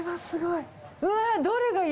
すごい。